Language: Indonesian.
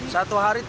satu hari tiga